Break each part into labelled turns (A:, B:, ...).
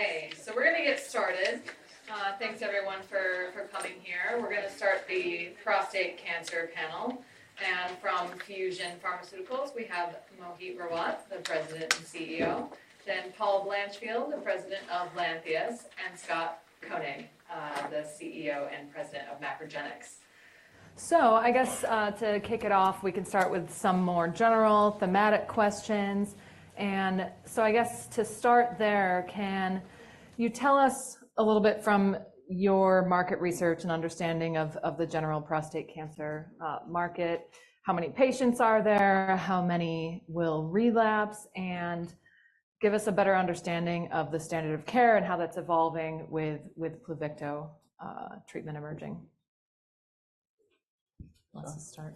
A: Okay, so we're going to get started. Thanks everyone for coming here. We're going to start the prostate cancer panel, and from Fusion Pharmaceuticals we have Mohit Rawat, the President and CEO, then Paul Blanchfield, the President of Lantheus, and Scott Koenig, the CEO and President of MacroGenics. So I guess, to kick it off, we can start with some more general thematic questions. And so I guess to start there, can you tell us a little bit from your market research and understanding of the general prostate cancer market, how many patients are there, how many will relapse, and give us a better understanding of the standard of care and how that's evolving with Pluvicto treatment emerging? Let's start.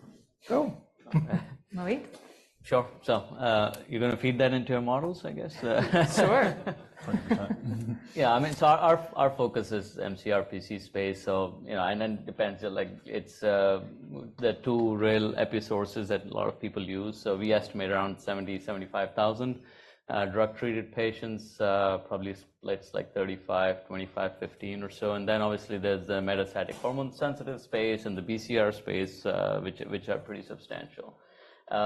B: Go.
A: Mohit?
B: Sure. So, you're going to feed that into your models, I guess?
A: Sure.
B: Yeah, I mean, so our focus is mCRPC space, so, you know, and then it depends, like, it's the two real PET sources that a lot of people use. So we estimate around 70,000-75,000 drug-treated patients, probably splits like 35,000, 25,000, 15,000 or so. And then obviously there's the metastatic hormone-sensitive space and the BCR space, which are pretty substantial. You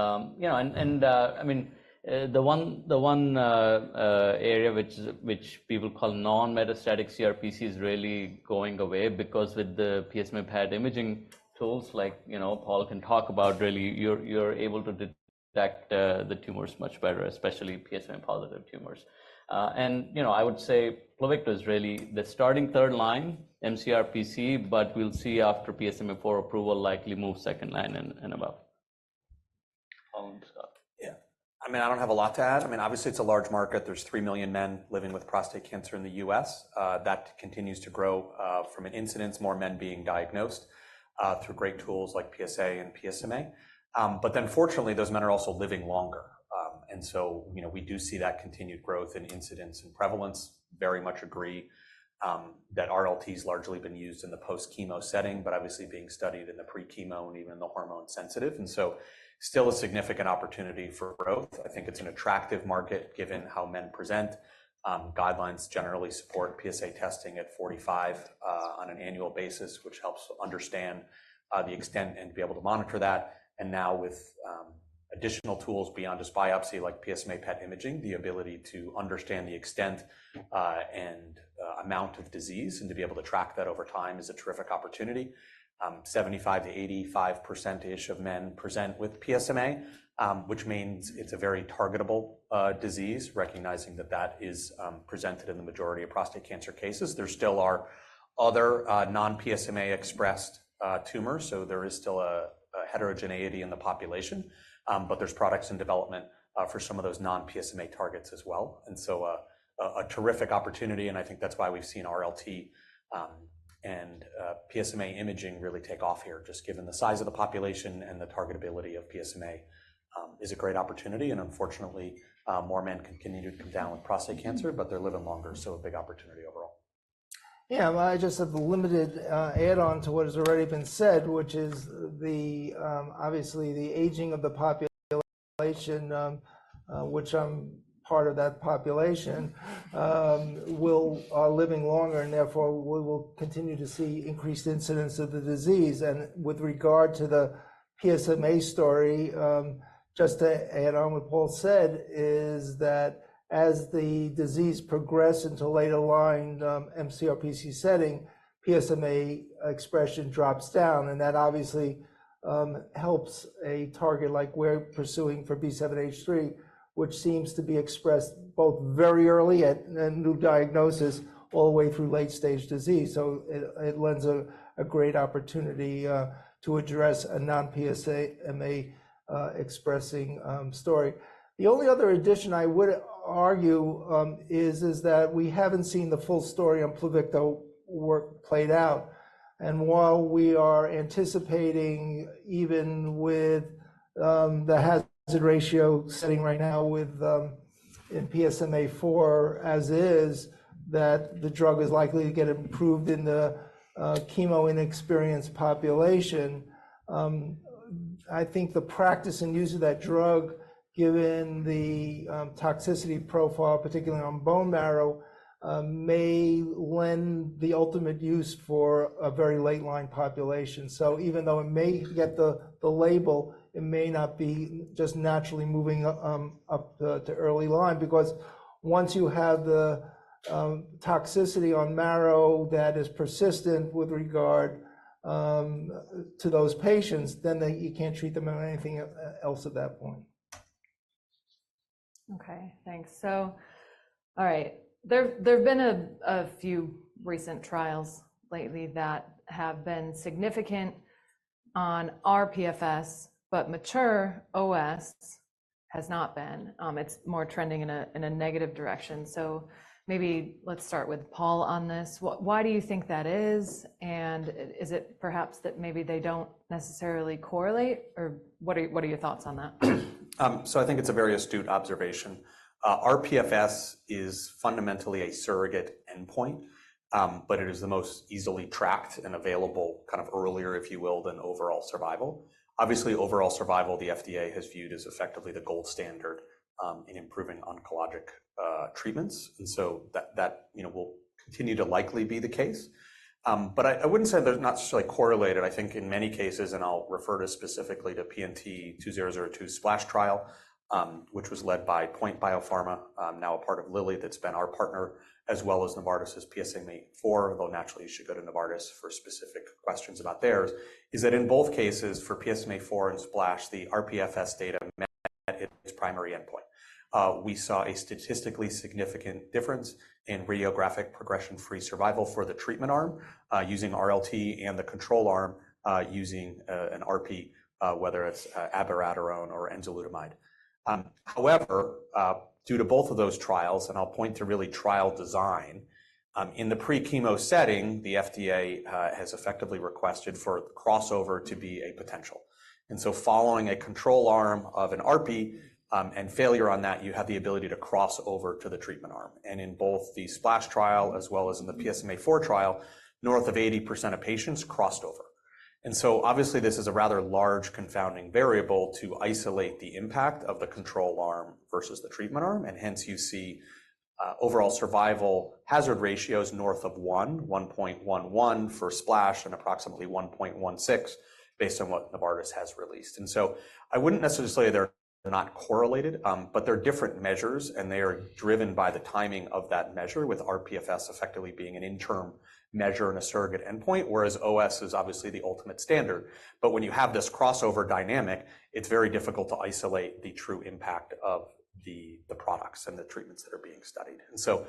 B: know, and, I mean, the one area which people call non-metastatic CRPC is really going away because with the PSMA PET imaging tools, like, you know, Paul can talk about really, you're able to detect the tumors much better, especially PSMA-positive tumors. And, you know, I would say Pluvicto is really the starting third line mCRPC, but we'll see after PSMAfore approval likely move second line and above. Paul and Scott.
C: Yeah. I mean, I don't have a lot to add. I mean, obviously it's a large market. There's three million men living with prostate cancer in the U.S. That continues to grow, from an incidence, more men being diagnosed, through great tools like PSA and PSMA. But then fortunately those men are also living longer. And so, you know, we do see that continued growth in incidence and prevalence. Very much agree that RLT's largely been used in the post-chemo setting, but obviously being studied in the pre-chemo and even in the hormone-sensitive. And so still a significant opportunity for growth. I think it's an attractive market given how men present. Guidelines generally support PSA testing at 45, on an annual basis, which helps understand the extent and be able to monitor that. Now with additional tools beyond just biopsy like PSMA PET imaging, the ability to understand the extent and amount of disease and to be able to track that over time is a terrific opportunity. 75%-85% of men present with PSMA, which means it's a very targetable disease, recognizing that that is presented in the majority of prostate cancer cases. There still are other non-PSMA-expressed tumors, so there is still a heterogeneity in the population. But there's products in development for some of those non-PSMA targets as well. And so a terrific opportunity, and I think that's why we've seen RLT and PSMA imaging really take off here, just given the size of the population and the targetability of PSMA is a great opportunity. And unfortunately, more men continue to come down with prostate cancer, but they're living longer, so a big opportunity overall.
D: Yeah, well, I just have a limited add-on to what has already been said, which is, obviously, the aging of the population, which I'm part of that population, are living longer and therefore we will continue to see increased incidence of the disease. And with regard to the PSMA story, just to add on what Paul said is that as the disease progresses into later line, mCRPC setting, PSMA expression drops down, and that obviously helps a target like we're pursuing for B7-H3, which seems to be expressed both very early at a new diagnosis all the way through late-stage disease. So it lends a great opportunity to address a non-PSMA-expressing story. The only other addition I would argue is that we haven't seen the full story on Pluvicto work played out. While we are anticipating even with the hazard ratio setting right now with in PSMAfore as is, that the drug is likely to get improved in the chemo-inexperienced population, I think the practice and use of that drug given the toxicity profile, particularly on bone marrow, may lend the ultimate use for a very late-line population. Even though it may get the label, it may not be just naturally moving up to early line because once you have the toxicity on marrow that is persistent with regard to those patients, then you can't treat them on anything else at that point.
A: Okay, thanks. So, all right. There've been a few recent trials lately that have been significant on rPFS, but mature OS has not been. It's more trending in a negative direction. So maybe let's start with Paul on this. What, why do you think that is? And is it perhaps that maybe they don't necessarily correlate? Or what are your thoughts on that?
C: So I think it's a very astute observation. rPFS is fundamentally a surrogate endpoint, but it is the most easily tracked and available kind of earlier, if you will, than overall survival. Obviously, overall survival, the FDA has viewed as effectively the gold standard in improving oncologic treatments. And so that, you know, will continue to likely be the case. But I wouldn't say they're not necessarily correlated. I think in many cases, and I'll refer specifically to PNT2002 SPLASH trial, which was led by Point Biopharma, now a part of Lilly that's been our partner, as well as Novartis's PSMAfore, although naturally you should go to Novartis for specific questions about theirs, is that in both cases for PSMAfore and SPLASH, the rPFS data met its primary endpoint. We saw a statistically significant difference in radiographic progression-free survival for the treatment arm, using RLT and the control arm, using an ARPI, whether it's abiraterone or enzalutamide. However, due to both of those trials, and I'll point to really trial design, in the pre-chemo setting, the FDA has effectively requested for the crossover to be a potential. And so following a control arm of an ARPI, and failure on that, you have the ability to cross over to the treatment arm. And in both the SPLASH trial as well as in the PSMAfore trial, north of 80% of patients crossed over. And so obviously this is a rather large confounding variable to isolate the impact of the control arm versus the treatment arm, and hence you see overall survival hazard ratios north of 1, 1.11 for SPLASH and approximately 1.16 based on what Novartis has released. And so I wouldn't necessarily say they're not correlated, but they're different measures and they are driven by the timing of that measure with rPFS effectively being an interim measure and a surrogate endpoint, whereas OS is obviously the ultimate standard. But when you have this crossover dynamic, it's very difficult to isolate the true impact of the products and the treatments that are being studied. And so,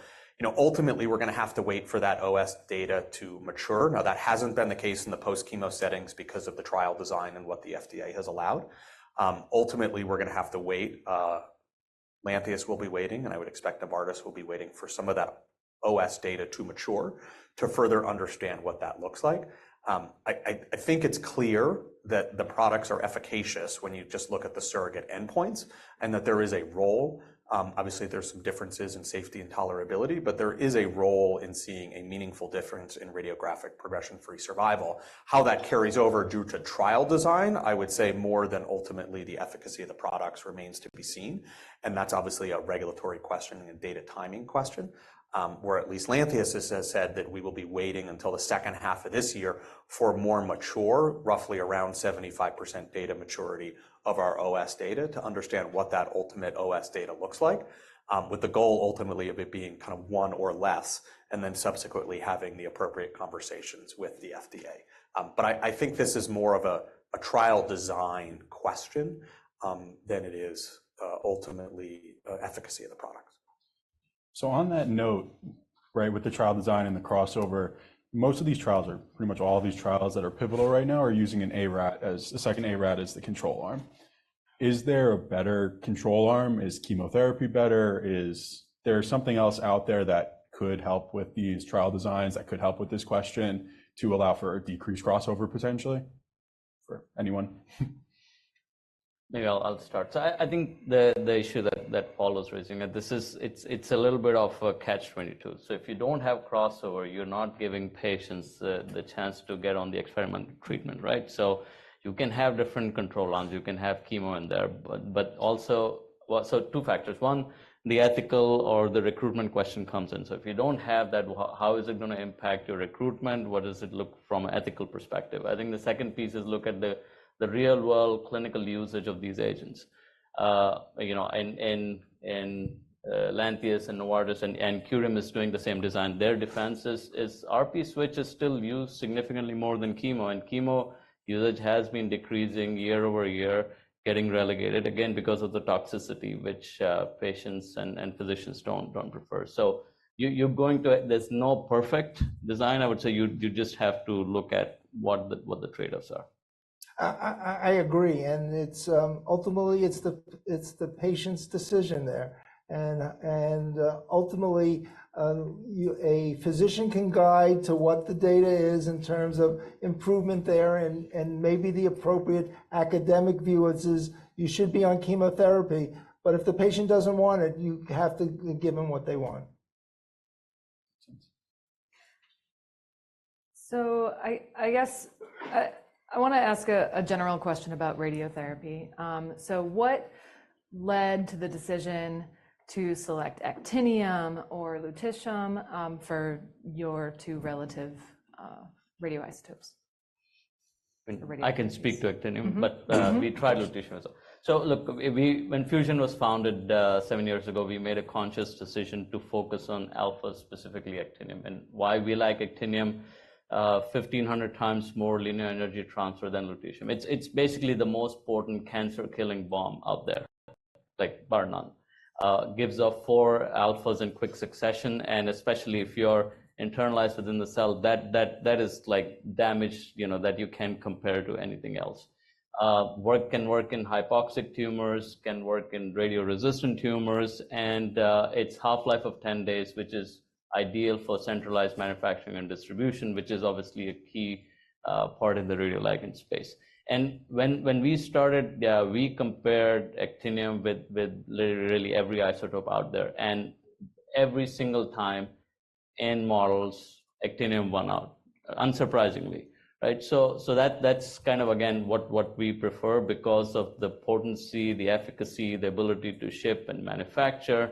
C: you know, ultimately we're going to have to wait for that OS data to mature. Now that hasn't been the case in the post-chemo settings because of the trial design and what the FDA has allowed. Ultimately we're going to have to wait, Lantheus will be waiting, and I would expect Novartis will be waiting for some of that OS data to mature to further understand what that looks like. I think it's clear that the products are efficacious when you just look at the surrogate endpoints and that there is a role. Obviously there's some differences in safety and tolerability, but there is a role in seeing a meaningful difference in radiographic progression-free survival. How that carries over due to trial design, I would say more than ultimately the efficacy of the products remains to be seen. And that's obviously a regulatory question and a data timing question, where at least Lantheus has said that we will be waiting until the second half of this year for more mature, roughly around 75% data maturity of our OS data to understand what that ultimate OS data looks like, with the goal ultimately of it being kind of one or less and then subsequently having the appropriate conversations with the FDA. I think this is more of a trial design question than it is ultimately efficacy of the products.
E: So on that note, right, with the trial design and the crossover, most of these trials are pretty much all of these trials that are pivotal right now are using an ARAT as a second ARAT as the control arm. Is there a better control arm? Is chemotherapy better? Is there something else out there that could help with these trial designs that could help with this question to allow for a decreased crossover potentially for anyone?
B: Maybe I'll start. So I think the issue that Paul was raising, this is it's a little bit of a catch-22. So if you don't have crossover, you're not giving patients the chance to get on the experimental treatment, right? So you can have different control arms. You can have chemo in there, but also well, so two factors. One, the ethical or the recruitment question comes in. So if you don't have that, how is it going to impact your recruitment? What does it look from an ethical perspective? I think the second piece is look at the real-world clinical usage of these agents. You know, in Lantheus and Novartis and Curium is doing the same design. Their defense is ARPI switch is still used significantly more than chemo, and chemo usage has been decreasing year-over-year, getting relegated again because of the toxicity, which patients and physicians don't prefer. So you're going to. There's no perfect design. I would say you just have to look at what the trade-offs are.
D: I agree. And it's ultimately the patient's decision there. And ultimately, you, a physician, can guide to what the data is in terms of improvement there. And maybe the appropriate academic view is you should be on chemotherapy, but if the patient doesn't want it, you have to give them what they want.
A: Makes sense. So I guess I want to ask a general question about radiotherapy. So what led to the decision to select actinium or lutetium for your two relative radioisotopes?
B: I can speak to actinium, but we tried lutetium as well. So look, when Fusion was founded 7 years ago, we made a conscious decision to focus on alphas, specifically actinium. And why we like actinium, 1,500 times more linear energy transfer than lutetium. It's basically the most potent cancer-killing bomb out there, like bar none. It gives off four alphas in quick succession, and especially if you're internalized within the cell, that is like damage, you know, that you can't compare to anything else. It can work in hypoxic tumors, can work in radioresistant tumors, and it's half-life of 10 days, which is ideal for centralized manufacturing and distribution, which is obviously a key part in the radioligand space. And when we started, yeah, we compared actinium with literally every isotope out there, and every single time in models, actinium won out, unsurprisingly, right? So that's kind of, again, what we prefer because of the potency, the efficacy, the ability to ship and manufacture,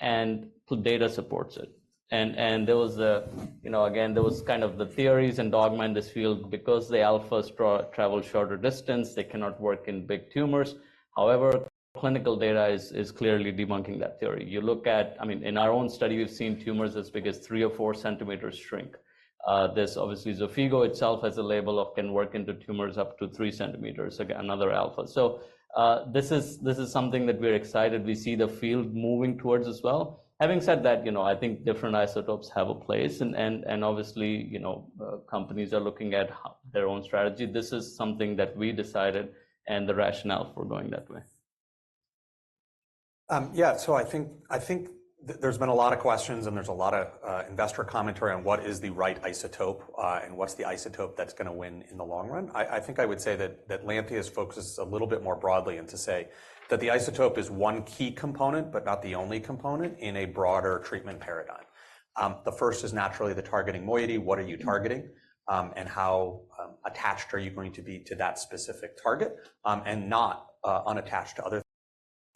B: and data supports it. And there was the, you know, again, there was kind of the theories and dogma in this field because the alphas travel shorter distance, they cannot work in big tumors. However, clinical data is clearly debunking that theory. You look at, I mean, in our own study, we've seen tumors as big as three or four centimeters shrink. There's obviously Xofigo itself has a label of can work into tumors up to three centimeters, again, another alpha. So this is something that we're excited. We see the field moving towards as well. Having said that, you know, I think different isotopes have a place, and obviously, you know, companies are looking at their own strategy. This is something that we decided and the rationale for going that way.
C: Yeah, so I think I think there's been a lot of questions and there's a lot of investor commentary on what is the right isotope, and what's the isotope that's going to win in the long run. I, I think I would say that Lantheus focuses a little bit more broadly and to say that the isotope is one key component, but not the only component in a broader treatment paradigm. The first is naturally the targeting moiety. What are you targeting, and how attached are you going to be to that specific target, and not unattached to other things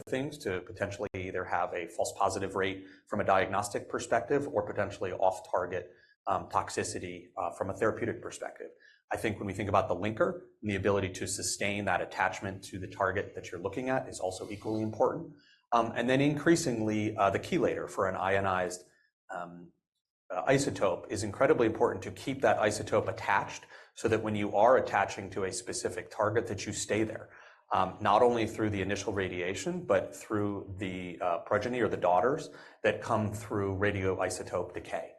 C: to potentially either have a false positive rate from a diagnostic perspective or potentially off-target toxicity from a therapeutic perspective? I think when we think about the linker and the ability to sustain that attachment to the target that you're looking at is also equally important. And then increasingly, the chelator for an ionized isotope is incredibly important to keep that isotope attached so that when you are attaching to a specific target that you stay there, not only through the initial radiation, but through the progeny or the daughters that come through radioisotope decay.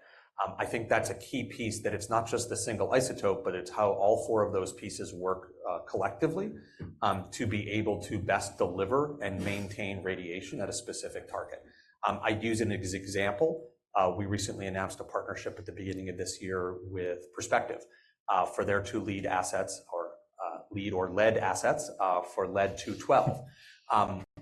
C: I think that's a key piece that it's not just the single isotope, but it's how all four of those pieces work collectively to be able to best deliver and maintain radiation at a specific target. I'd use an example. We recently announced a partnership at the beginning of this year with Perspective for their two lead assets for lead-212.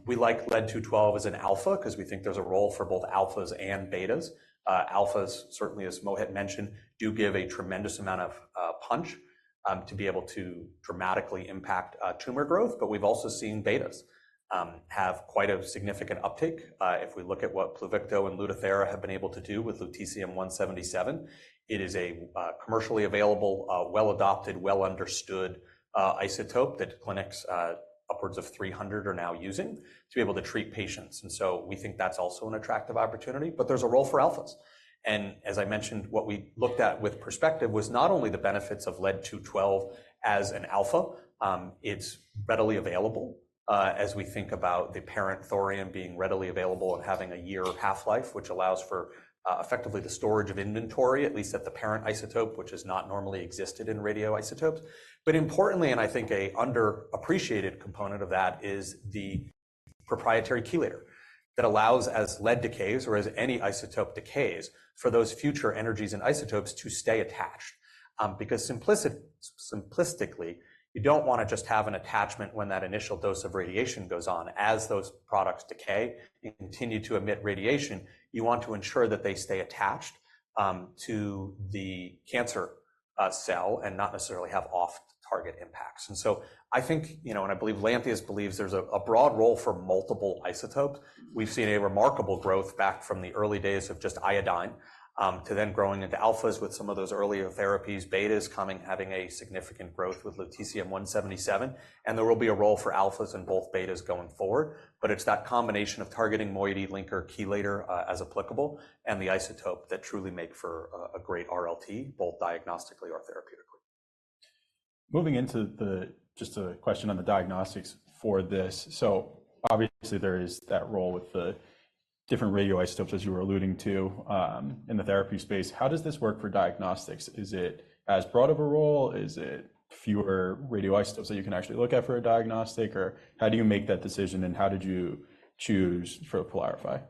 C: We like lead-212 as an alpha because we think there's a role for both alphas and betas. Alphas, certainly as Mohit mentioned, do give a tremendous amount of punch to be able to dramatically impact tumor growth. But we've also seen betas have quite a significant uptake. If we look at what Pluvicto and Lutathera have been able to do with lutetium-177, it is a commercially available, well-adopted, well-understood isotope that clinics, upwards of 300, are now using to be able to treat patients. And so we think that's also an attractive opportunity. But there's a role for alphas. And as I mentioned, what we looked at with Perspective was not only the benefits of lead-212 as an alpha, it's readily available, as we think about the parent thorium being readily available and having a year half-life, which allows for effectively the storage of inventory, at least at the parent isotope, which has not normally existed in radioisotopes. But importantly, and I think an underappreciated component of that is the proprietary chelator that allows, as lead decays or as any isotope decays, for those future energies and isotopes to stay attached, because simplicity, simplistically, you don't want to just have an attachment when that initial dose of radiation goes on. As those products decay and continue to emit radiation, you want to ensure that they stay attached to the cancer cell and not necessarily have off-target impacts. And so I think, you know, and I believe Lantheus believes there's a, a broad role for multiple isotopes. We've seen a remarkable growth back from the early days of just iodine, to then growing into alphas with some of those earlier therapies, betas coming, having a significant growth with lutetium-177. And there will be a role for alphas and both betas going forward. But it's that combination of targeting moiety, linker, chelator, as applicable, and the isotope that truly make for a great RLT, both diagnostically or therapeutically.
E: Moving into the just a question on the diagnostics for this. So obviously there is that role with the different radioisotopes, as you were alluding to, in the therapy space. How does this work for diagnostics? Is it as broad of a role? Is it fewer radioisotopes that you can actually look at for a diagnostic? Or how do you make that decision and how did you choose for PYLARIFY?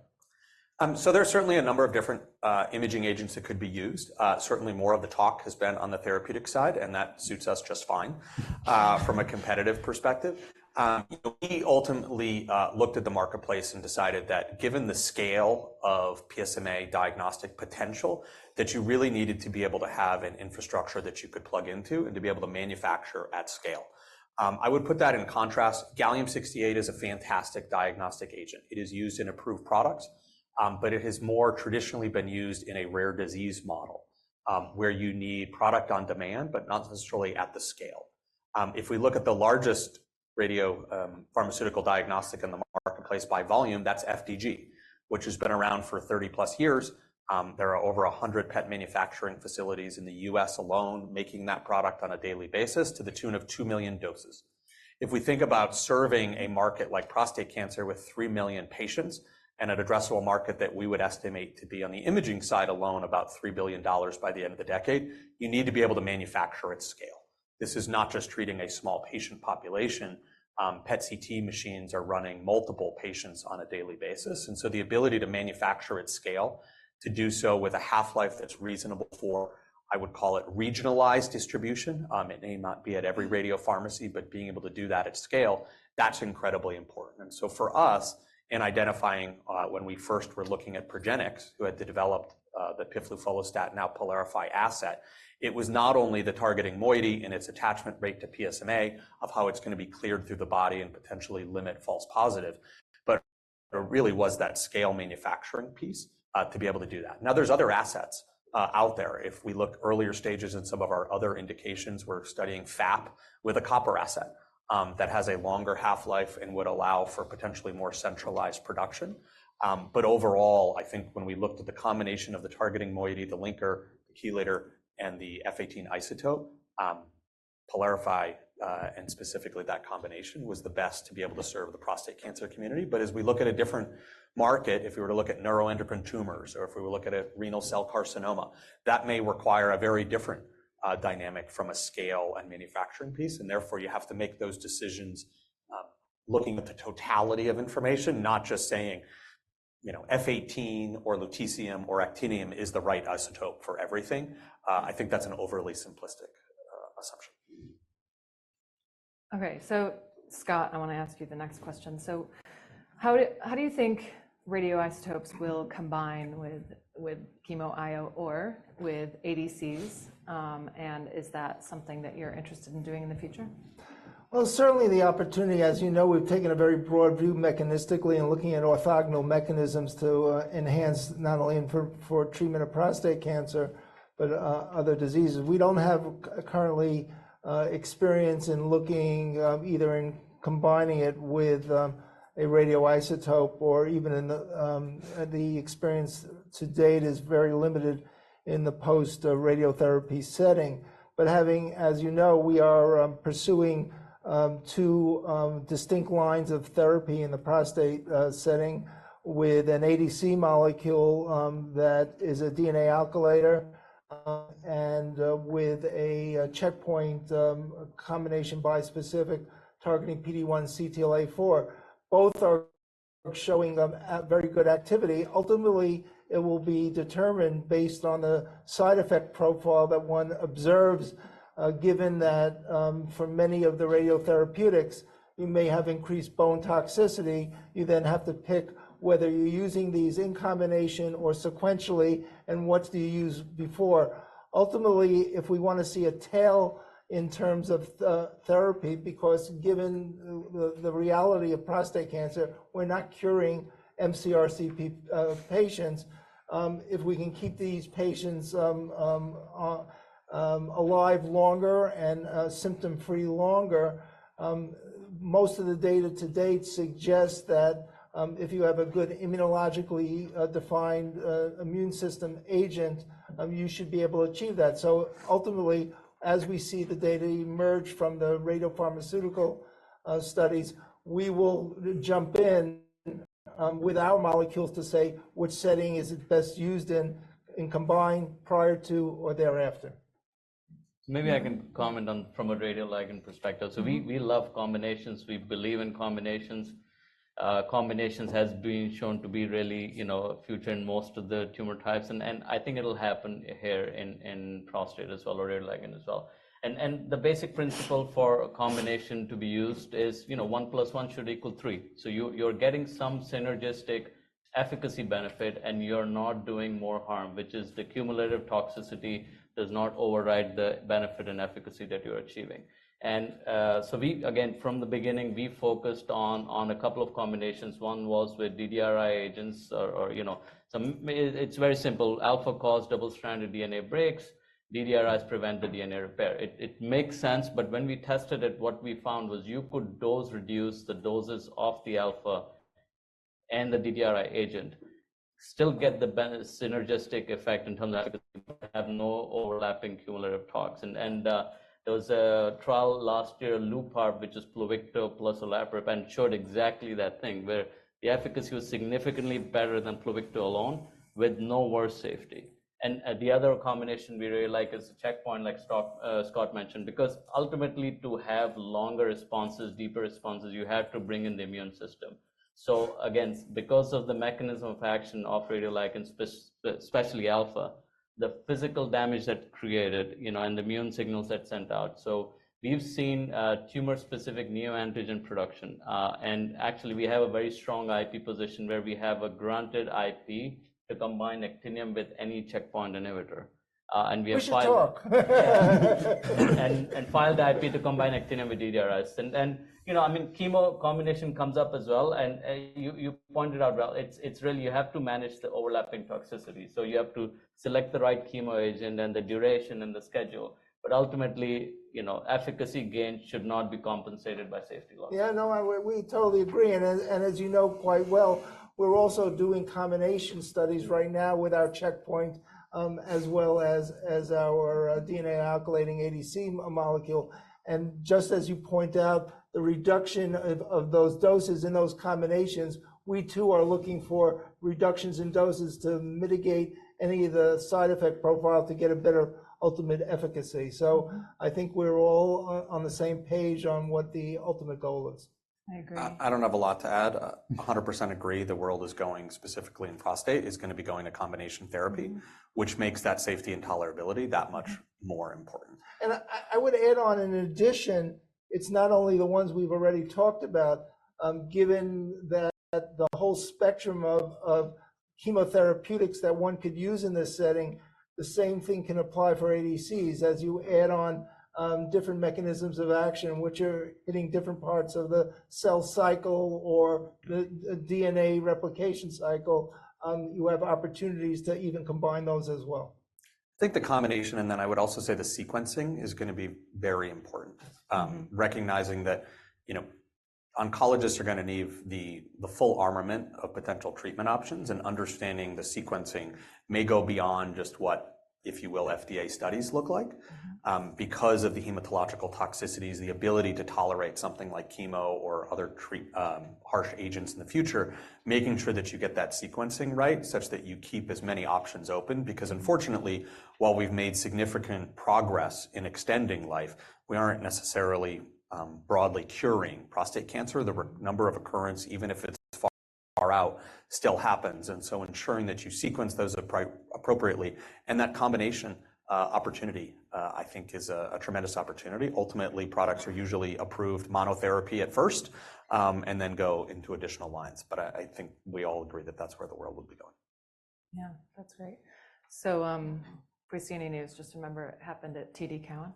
C: So there's certainly a number of different imaging agents that could be used. Certainly more of the talk has been on the therapeutic side, and that suits us just fine, from a competitive perspective. You know, we ultimately looked at the marketplace and decided that given the scale of PSMA diagnostic potential, that you really needed to be able to have an infrastructure that you could plug into and to be able to manufacture at scale. I would put that in contrast. Gallium-68 is a fantastic diagnostic agent. It is used in approved products, but it has more traditionally been used in a rare disease model, where you need product on demand, but not necessarily at the scale. If we look at the largest radiopharmaceutical diagnostic in the marketplace by volume, that's FDG, which has been around for 30+ years. There are over 100 PET manufacturing facilities in the U.S. alone making that product on a daily basis to the tune of 2 million doses. If we think about serving a market like prostate cancer with 3 million patients and an addressable market that we would estimate to be on the imaging side alone about $3 billion by the end of the decade, you need to be able to manufacture at scale. This is not just treating a small patient population. PET/CT machines are running multiple patients on a daily basis. And so the ability to manufacture at scale, to do so with a half-life that's reasonable for, I would call it regionalized distribution. It may not be at every radio pharmacy, but being able to do that at scale, that's incredibly important. For us in identifying, when we first were looking at Progenics, who had developed the piflufolastat, now PYLARIFY asset, it was not only the targeting moiety and its attachment rate to PSMA of how it's going to be cleared through the body and potentially limit false positive, but there really was that scale manufacturing piece, to be able to do that. Now, there's other assets out there. If we look earlier stages in some of our other indications, we're studying FAP with a copper asset that has a longer half-life and would allow for potentially more centralized production. But overall, I think when we looked at the combination of the targeting moiety, the linker, the chelator, and the F-18 isotope, PYLARIFY, and specifically that combination was the best to be able to serve the prostate cancer community. But as we look at a different market, if we were to look at neuroendocrine tumors or if we were looking at renal cell carcinoma, that may require a very different dynamic from a scale and manufacturing piece. And therefore, you have to make those decisions, looking at the totality of information, not just saying, you know, F-18 or lutetium or actinium is the right isotope for everything. I think that's an overly simplistic assumption.
A: All right. So Scott, I want to ask you the next question. So how do you think radioisotopes will combine with, with chemo IO or with ADCs? And is that something that you're interested in doing in the future?
D: Well, certainly the opportunity, as you know, we've taken a very broad view mechanistically and looking at orthogonal mechanisms to enhance not only for treatment of prostate cancer, but other diseases. We don't currently have experience in looking either in combining it with a radioisotope or even in the experience to date is very limited in the post-radiotherapy setting. But, as you know, we are pursuing two distinct lines of therapy in the prostate setting with an ADC molecule that is a DNA alkylator, and with a checkpoint combination bispecific targeting PD-1 CTLA-4. Both are showing them at very good activity. Ultimately, it will be determined based on the side effect profile that one observes. Given that, for many of the radiotherapeutics, you may have increased bone toxicity, you then have to pick whether you're using these in combination or sequentially and what do you use before. Ultimately, if we want to see a tail in terms of therapy, because given the reality of prostate cancer, we're not curing mCRPC patients. If we can keep these patients alive longer and symptom-free longer, most of the data to date suggests that if you have a good immunologically defined immune system agent, you should be able to achieve that. So ultimately, as we see the data emerge from the radiopharmaceutical studies, we will jump in with our molecules to say which setting is it best used in, in combined prior to or thereafter.
B: Maybe I can comment on, from a radioligand perspective. So we love combinations. We believe in combinations. Combinations have been shown to be really, you know, the future in most of the tumor types. And I think it'll happen here in prostate as well or radioligand as well. And the basic principle for a combination to be used is, you know, one plus one should equal three. So you're getting some synergistic efficacy benefit and you're not doing more harm, which is the cumulative toxicity does not override the benefit and efficacy that you're achieving. And so we, again, from the beginning, focused on a couple of combinations. One was with DDRi agents, or you know, it's very simple. Alpha causes double-stranded DNA breaks. DDRis prevent the DNA repair. It makes sense. But when we tested it, what we found was you could dose reduce the doses of the alpha and the DDRi agent, still get the beneficial synergistic effect in terms of efficacy. You have no overlapping cumulative toxicities. And, and, there was a trial last year, LuPARP, which is Pluvicto plus olaparib, and showed exactly that thing where the efficacy was significantly better than Pluvicto alone with no worse safety. And the other combination we really like is a checkpoint like Scott, Scott mentioned, because ultimately to have longer responses, deeper responses, you had to bring in the immune system. So again, because of the mechanism of action of radioligand, especially alpha, the physical damage that created, you know, and the immune signals that sent out. So we've seen, tumor-specific neoantigen production. Actually, we have a very strong IP position where we have a granted IP to combine actinium with any checkpoint inhibitor. We have filed.
D: We should talk.
B: Filed IP to combine actinium with DDRIs. You know, I mean, chemo combination comes up as well. You pointed out well. It's really you have to manage the overlapping toxicity. So you have to select the right chemo agent and the duration and the schedule. But ultimately, you know, efficacy gain should not be compensated by safety loss.
D: Yeah, no, we totally agree. And as you know quite well, we're also doing combination studies right now with our checkpoint, as well as our DNA alkylating ADC molecule. And just as you point out, the reduction of those doses in those combinations, we too are looking for reductions in doses to mitigate any of the side effect profile to get a better ultimate efficacy. So I think we're all on the same page on what the ultimate goal is.
A: I agree.
C: I don't have a lot to add. 100% agree the world is going specifically in prostate is going to be going to combination therapy, which makes that safety and tolerability that much more important.
D: I would add on in addition, it's not only the ones we've already talked about, given that the whole spectrum of chemotherapeutics that one could use in this setting, the same thing can apply for ADCs. As you add on, different mechanisms of action, which are hitting different parts of the cell cycle or the DNA replication cycle, you have opportunities to even combine those as well.
C: I think the combination, and then I would also say the sequencing is going to be very important, recognizing that, you know, oncologists are going to need the full armament of potential treatment options and understanding the sequencing may go beyond just what, if you will, FDA studies look like, because of the hematological toxicities, the ability to tolerate something like chemo or other treatment, harsh agents in the future, making sure that you get that sequencing right such that you keep as many options open. Because unfortunately, while we've made significant progress in extending life, we aren't necessarily broadly curing prostate cancer. The number of occurrence, even if it's far, far out, still happens. And so ensuring that you sequence those appropriately. And that combination opportunity, I think is a tremendous opportunity. Ultimately, products are usually approved monotherapy at first, and then go into additional lines. But I think we all agree that that's where the world would be going.
A: Yeah, that's great. So, preceding news, just remember it happened at TD Cowen.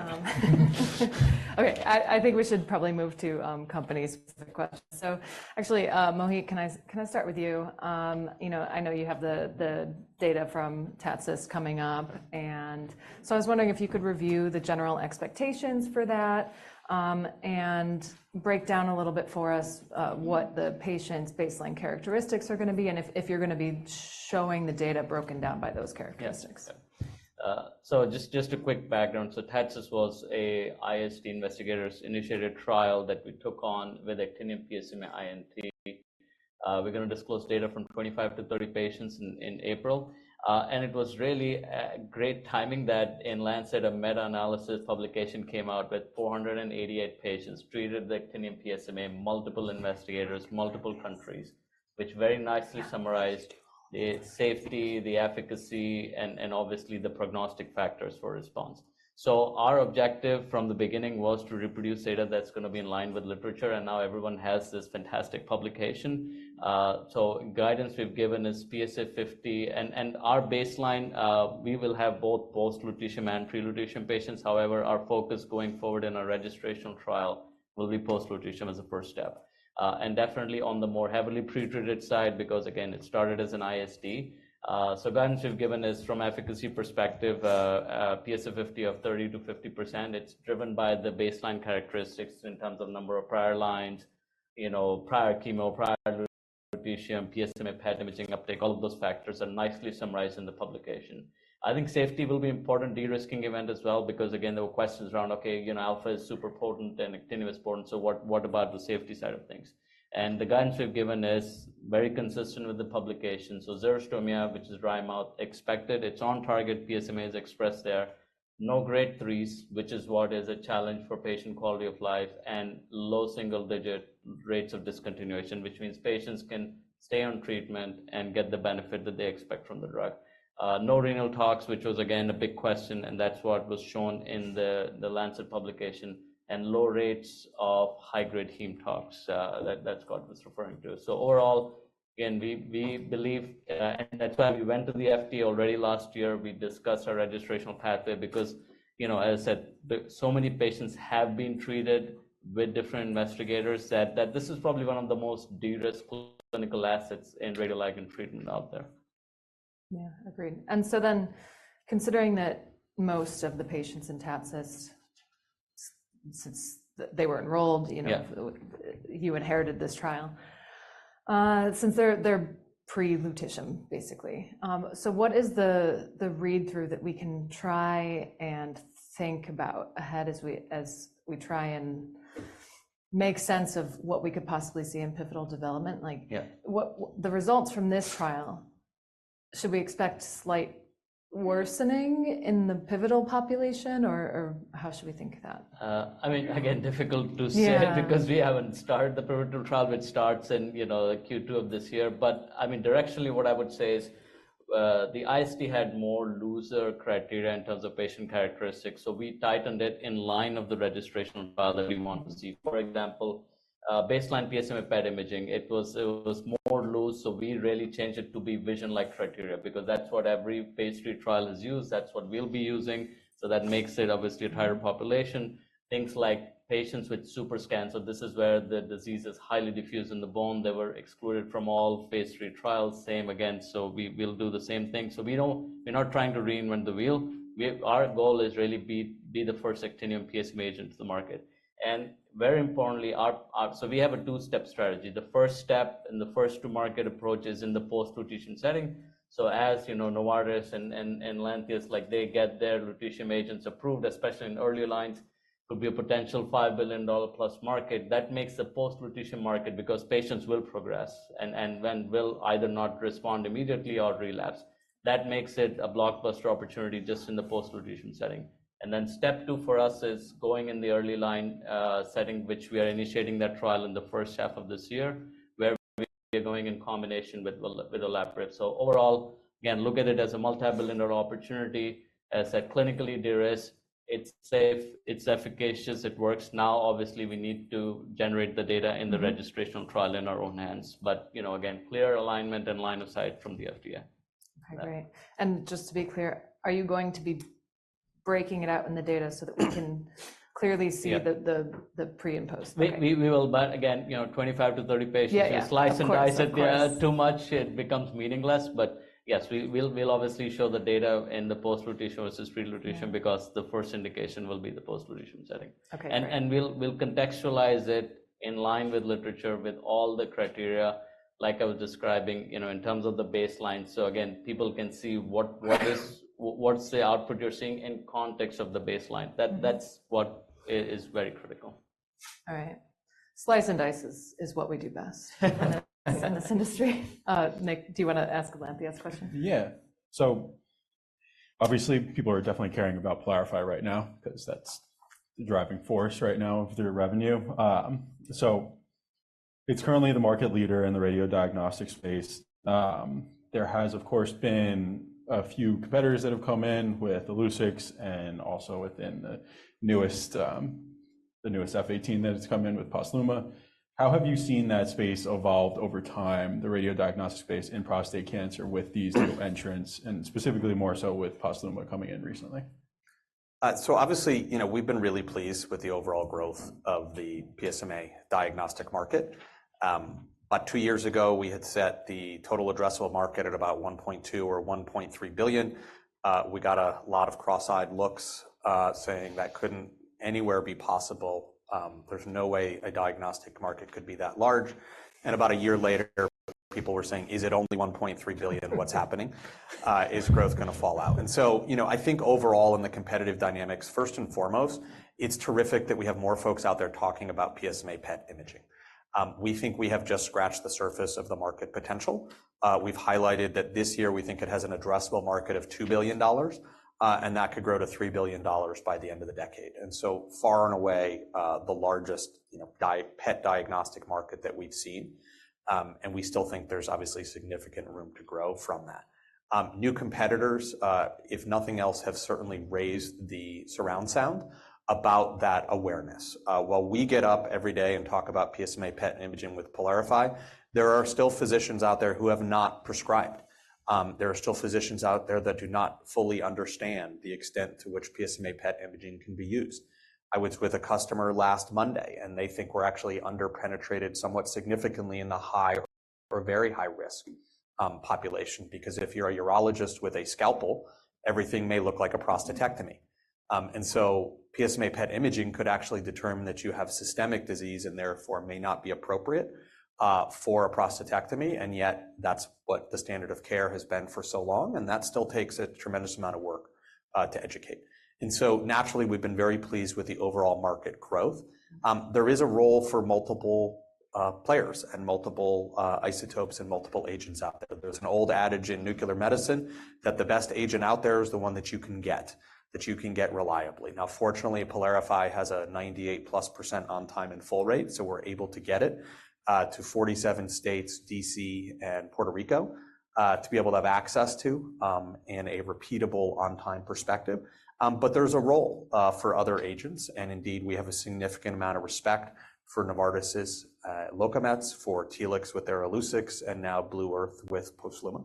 A: Okay, I think we should probably move to companies with the questions. So actually, Mohit, can I start with you? You know, I know you have the data from TATCIST coming up. And so I was wondering if you could review the general expectations for that, and break down a little bit for us, what the patient's baseline characteristics are going to be and if you're going to be showing the data broken down by those characteristics.
B: Yeah. So just, just a quick background. So TATCIST was an IST investigator-initiated trial that we took on with actinium PSMA I&T. We're going to disclose data from 25-30 patients in, in April. And it was really a great timing that in Lancet a meta-analysis publication came out with 488 patients treated with actinium PSMA, multiple investigators, multiple countries, which very nicely summarized the safety, the efficacy, and, and obviously the prognostic factors for response. So our objective from the beginning was to reproduce data that's going to be in line with literature. And now everyone has this fantastic publication. So guidance we've given is PSA50. And, and our baseline, we will have both post-lutetium and pre-lutetium patients. However, our focus going forward in our registration trial will be post-lutetium as a first step. definitely on the more heavily pretreated side, because again, it started as an IST. So guidance we've given is from efficacy perspective, PSA50 of 30%-50%. It's driven by the baseline characteristics in terms of number of prior lines, you know, prior chemo, prior lutetium, PSMA PET imaging uptake, all of those factors are nicely summarized in the publication. I think safety will be an important de-risking event as well, because again, there were questions around, okay, you know, alpha is super potent and actinium is potent. So what, what about the safety side of things? And the guidance we've given is very consistent with the publication. So xerostomia, which is dry mouth, expected. It's on target. PSMA is expressed there. No grade threes, which is what is a challenge for patient quality of life and low single-digit rates of discontinuation, which means patients can stay on treatment and get the benefit that they expect from the drug. No renal tox, which was again a big question. And that's what was shown in the Lancet publication and low rates of high-grade heme tox that Scott was referring to. So overall, again, we believe, and that's why we went to the FDA already last year. We discussed our registration pathway because, you know, as I said, so many patients have been treated with different investigators that this is probably one of the most de-risk clinical assets in radioligand treatment out there.
A: Yeah, agreed. And so then considering that most of the patients in TATCIST, since they were enrolled, you know, you inherited this trial, since they're, they're pre-lutetium, basically. So what is the, the read-through that we can try and think about ahead as we, as we try and make sense of what we could possibly see in pivotal development? Like.
D: Yeah.
A: What the results from this trial, should we expect slight worsening in the pivotal population or, or how should we think of that?
B: I mean, again, difficult to say because we haven't started the pivotal trial. It starts in, you know, Q2 of this year. But I mean, directionally what I would say is, the IST had more looser criteria in terms of patient characteristics. So we tightened it in line of the registration trial that we want to see. For example, baseline PSMA PET imaging, it was, it was more loose. So we really changed it to be vision-like criteria because that's what every phase III trial is used. That's what we'll be using. So that makes it obviously a tighter population. Things like patients with superscan. So this is where the disease is highly diffuse in the bone. They were excluded from all phase III trials. Same again. So we, we'll do the same thing. So we don't, we're not trying to reinvent the wheel. Our goal is really to be the first actinium PSMA agent to the market. Very importantly, so we have a two-step strategy. The first step in the first-to-market approach is in the post-lutetium setting. So as you know, Novartis and Lantheus, like they get their lutetium agents approved, especially in early lines, could be a potential $5 billion-plus market. That makes the post-lutetium market because patients will progress and then will either not respond immediately or relapse. That makes it a blockbuster opportunity just in the post-lutetium setting. And then step two for us is going in the early line setting, which we are initiating that trial in the first half of this year where we are going in combination with olaparib. So overall, again, look at it as a multi-billion-dollar opportunity. As I said, clinically de-risk. It's safe. It's efficacious. It works. Now, obviously, we need to generate the data in the registration trial in our own hands. But, you know, again, clear alignment and line of sight from the FDA.
A: Okay, great. And just to be clear, are you going to be breaking it out in the data so that we can clearly see the pre and post?
B: We will. But again, you know, 25-30 patients. You slice and dice it too much, it becomes meaningless. But yes, we'll obviously show the data in the post-lutetium versus pre-lutetium because the first indication will be the post-lutetium setting.
A: Okay.
B: We'll contextualize it in line with literature, with all the criteria, like I was describing, you know, in terms of the baseline. So again, people can see what's the output you're seeing in context of the baseline. That's what is very critical.
A: All right. Slice and dice is what we do best in this industry. Nick, do you want to ask Lantheus a question?
E: Yeah. So obviously people are definitely caring about PYLARIFY right now because that's the driving force right now of their revenue. So it's currently the market leader in the radiodiagnostic space. There has, of course, been a few competitors that have come in with Illuccix and also within the newest, the newest F-18 that has come in with Posluma. How have you seen that space evolve over time, the radiodiagnostic space in prostate cancer with these new entrants and specifically more so with Posluma coming in recently?
C: So obviously, you know, we've been really pleased with the overall growth of the PSMA diagnostic market. About two years ago, we had set the total addressable market at about $1.2 billion or $1.3 billion. We got a lot of cross-eyed looks, saying that couldn't anywhere be possible. There's no way a diagnostic market could be that large. And about a year later, people were saying, is it only $1.3 billion? What's happening? Is growth going to fall out? And so, you know, I think overall in the competitive dynamics, first and foremost, it's terrific that we have more folks out there talking about PSMA PET imaging. We think we have just scratched the surface of the market potential. We've highlighted that this year we think it has an addressable market of $2 billion, and that could grow to $3 billion by the end of the decade. And so far and away, the largest, you know, PET diagnostic market that we've seen. And we still think there's obviously significant room to grow from that. New competitors, if nothing else, have certainly raised the surround sound about that awareness. While we get up every day and talk about PSMA PET imaging with PYLARIFY, there are still physicians out there who have not prescribed. There are still physicians out there that do not fully understand the extent to which PSMA PET imaging can be used. I was with a customer last Monday, and they think we're actually under-penetrated somewhat significantly in the high or very high-risk population. Because if you're a urologist with a scalpel, everything may look like a prostatectomy. And so PSMA PET imaging could actually determine that you have systemic disease and therefore may not be appropriate for a prostatectomy. And yet that's what the standard of care has been for so long. And that still takes a tremendous amount of work, to educate. And so naturally, we've been very pleased with the overall market growth. There is a role for multiple players and multiple isotopes and multiple agents out there. There's an old adage in nuclear medicine that the best agent out there is the one that you can get, that you can get reliably. Now, fortunately, PYLARIFY has a 98%+ on-time and full rate. So we're able to get it to 47 states, D.C., and Puerto Rico, to be able to have access to, in a repeatable on-time perspective. But there's a role for other agents. And indeed, we have a significant amount of respect for Novartis' Locametz, for Telix with their Illuccix, and now Blue Earth Diagnostics with Posluma.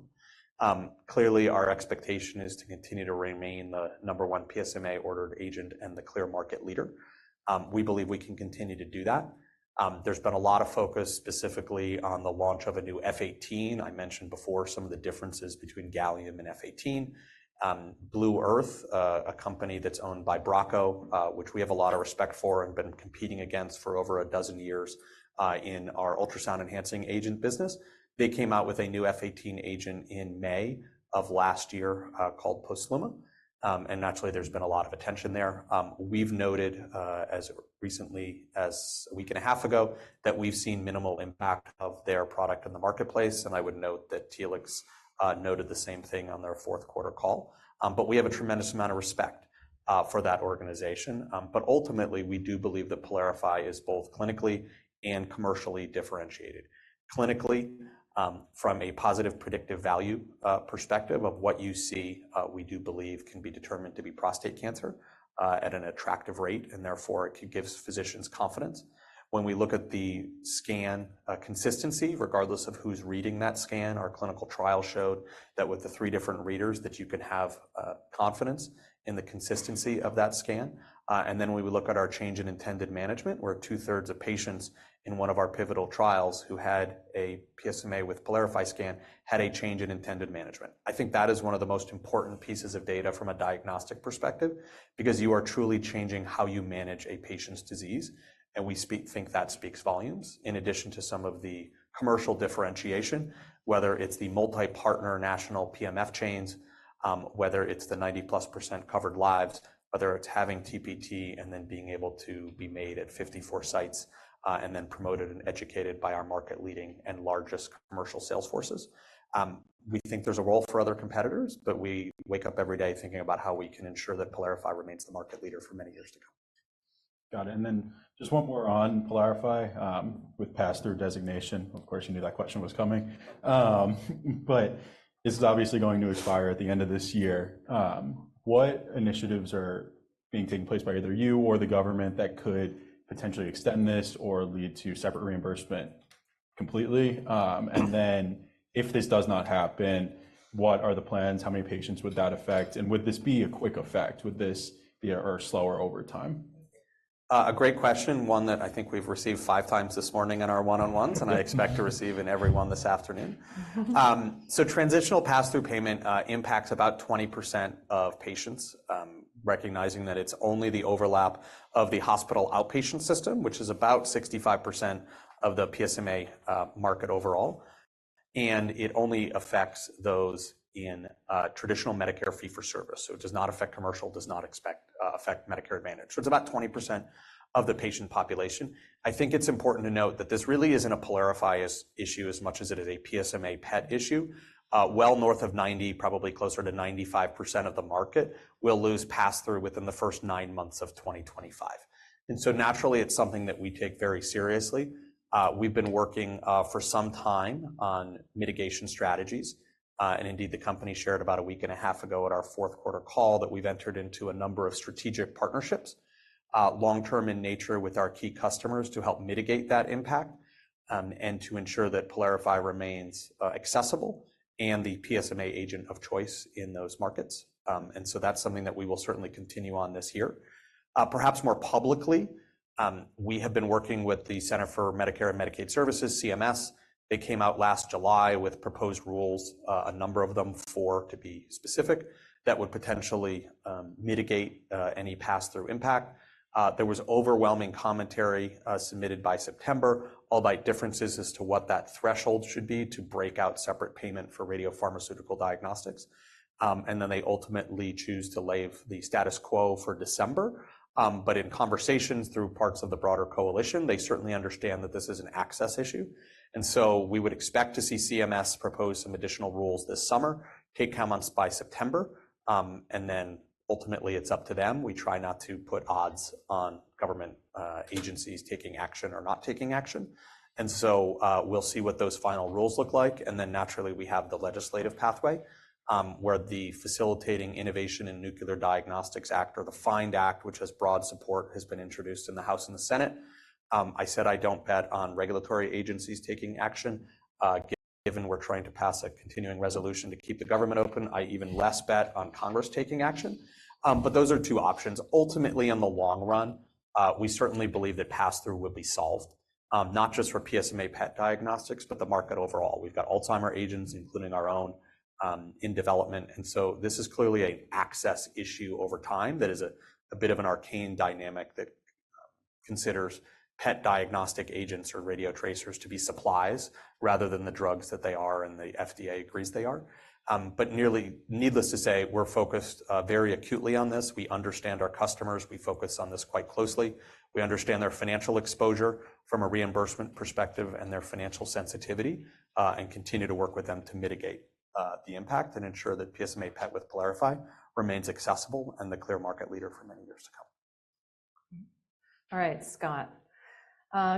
C: Clearly, our expectation is to continue to remain the number one PSMA-ordered agent and the clear market leader. We believe we can continue to do that. There's been a lot of focus specifically on the launch of a new F-18. I mentioned before some of the differences between gallium and F-18. Blue Earth, a company that's owned by Bracco, which we have a lot of respect for and been competing against for over a dozen years, in our ultrasound-enhancing agent business. They came out with a new F-18 agent in May of last year, called Posluma. And naturally, there's been a lot of attention there. We've noted, as recently as a week and a half ago, that we've seen minimal impact of their product in the marketplace. I would note that Telix noted the same thing on their fourth-quarter call. But we have a tremendous amount of respect for that organization. But ultimately, we do believe that PYLARIFY is both clinically and commercially differentiated. Clinically, from a positive predictive value perspective of what you see, we do believe can be determined to be prostate cancer at an attractive rate. And therefore, it gives physicians confidence. When we look at the scan consistency, regardless of who's reading that scan, our clinical trial showed that with the three different readers, that you can have confidence in the consistency of that scan. And then when we look at our change in intended management, where 2/3 of patients in one of our pivotal trials who had a PSMA with PYLARIFY scan had a change in intended management. I think that is one of the most important pieces of data from a diagnostic perspective because you are truly changing how you manage a patient's disease. We think that speaks volumes in addition to some of the commercial differentiation, whether it's the multi-partner national PMF chains, whether it's the 90%+ covered lives, whether it's having TPT and then being able to be made at 54 sites, and then promoted and educated by our market-leading and largest commercial sales forces. We think there's a role for other competitors, but we wake up every day thinking about how we can ensure that PYLARIFY remains the market leader for many years to come.
E: Got it. And then just one more on PYLARIFY, with pass-through designation. Of course, you knew that question was coming. But this is obviously going to expire at the end of this year. What initiatives are being taken place by either you or the government that could potentially extend this or lead to separate reimbursement completely? And then if this does not happen, what are the plans? How many patients would that affect? And would this be a quick effect? Would this be a slower over time?
C: A great question. One that I think we've received five times this morning in our one-on-ones, and I expect to receive in every one this afternoon. So transitional pass-through payment impacts about 20% of patients, recognizing that it's only the overlap of the hospital outpatient system, which is about 65% of the PSMA market overall. And it only affects those in traditional Medicare fee-for-service. So it does not affect commercial, does not affect Medicare Advantage. So it's about 20% of the patient population. I think it's important to note that this really isn't a PYLARIFY issue as much as it is a PSMA PET issue. Well north of 90, probably closer to 95% of the market will lose pass-through within the first nine months of 2025. And so naturally, it's something that we take very seriously. We've been working for some time on mitigation strategies. And indeed, the company shared about a week and a half ago at our fourth-quarter call that we've entered into a number of strategic partnerships, long-term in nature with our key customers to help mitigate that impact, and to ensure that PYLARIFY remains accessible and the PSMA agent of choice in those markets. And so that's something that we will certainly continue on this year. Perhaps more publicly, we have been working with the Centers for Medicare & Medicaid Services, CMS. They came out last July with proposed rules, a number of them, four to be specific, that would potentially mitigate any pass-through impact. There was overwhelming commentary submitted by September, albeit differences as to what that threshold should be to break out separate payment for radiopharmaceutical diagnostics. And then they ultimately chose to leave the status quo for December. But in conversations through parts of the broader coalition, they certainly understand that this is an access issue. And so we would expect to see CMS propose some additional rules this summer, take comments by September. And then ultimately, it's up to them. We try not to put odds on government agencies taking action or not taking action. And so, we'll see what those final rules look like. And then naturally, we have the legislative pathway, where the Facilitating Innovation in Nuclear Diagnostics Act, or the FIND Act, which has broad support, has been introduced in the House and the Senate. I said I don't bet on regulatory agencies taking action. Given we're trying to pass a continuing resolution to keep the government open, I even less bet on Congress taking action. But those are two options. Ultimately, in the long run, we certainly believe that pass-through would be solved, not just for PSMA PET diagnostics, but the market overall. We've got Alzheimer's agents, including our own, in development. And so this is clearly an access issue over time that is a bit of an arcane dynamic that considers PET diagnostic agents or radiotracers to be supplies rather than the drugs that they are and the FDA agrees they are. But nearly needless to say, we're focused very acutely on this. We understand our customers. We focus on this quite closely. We understand their financial exposure from a reimbursement perspective and their financial sensitivity, and continue to work with them to mitigate the impact and ensure that PSMA PET with PYLARIFY remains accessible and the clear market leader for many years to come.
A: All right, Scott.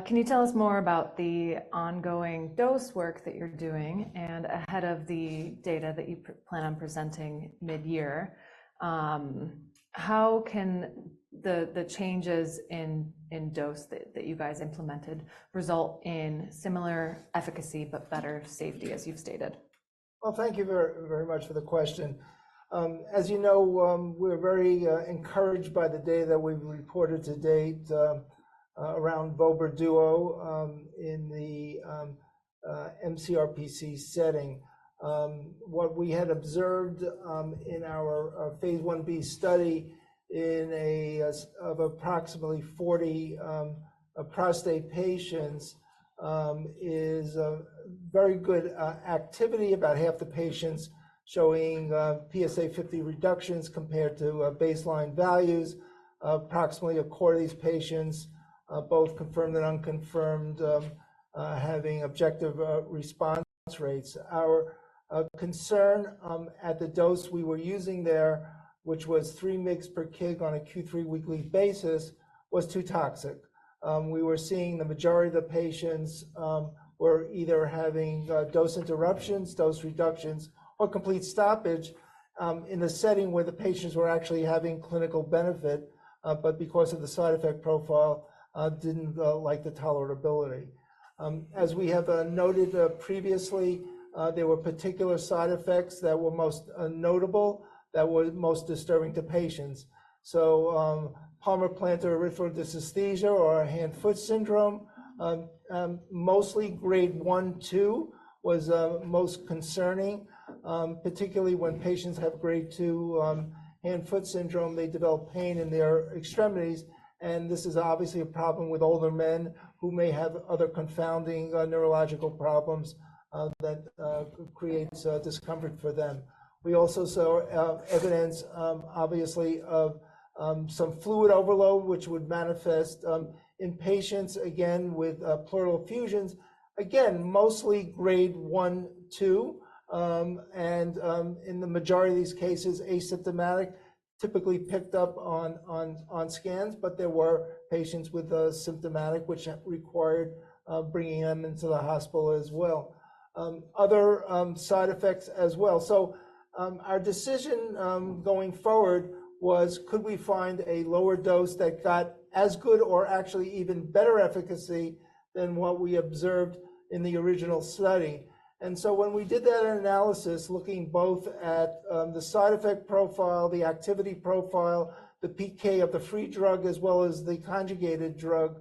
A: Can you tell us more about the ongoing dose work that you're doing and ahead of the data that you plan on presenting mid-year? How can the changes in dose that you guys implemented result in similar efficacy but better safety, as you've stated?
D: Well, thank you very much for the question. As you know, we're very encouraged by the data that we've reported to date around vobra duo in the mCRPC setting. What we had observed in our phase Ib study of approximately 40 prostate patients is very good activity, about half the patients showing PSA50 reductions compared to baseline values. Approximately a quarter of these patients, both confirmed and unconfirmed, having objective response rates. Our concern at the dose we were using there, which was 3 mg/kg on a Q3 weekly basis, was too toxic. We were seeing the majority of the patients were either having dose interruptions, dose reductions, or complete stoppage in the setting where the patients were actually having clinical benefit, but because of the side effect profile didn't like the tolerability. As we have noted previously, there were particular side effects that were most notable that were most disturbing to patients. So, palmar-plantar erythrodysesthesia or hand-foot syndrome, mostly grade one-two, was most concerning, particularly when patients have grade two hand-foot syndrome, they develop pain in their extremities. And this is obviously a problem with older men who may have other confounding neurological problems that create discomfort for them. We also saw evidence, obviously, of some fluid overload, which would manifest in patients, again, with pleural effusions, again, mostly grade one-two, and in the majority of these cases, asymptomatic, typically picked up on scans. But there were patients with symptomatic, which required bringing them into the hospital as well. Other side effects as well. So, our decision going forward was, could we find a lower dose that got as good or actually even better efficacy than what we observed in the original study? And so when we did that analysis, looking both at the side effect profile, the activity profile, the PK of the free drug, as well as the conjugated drug,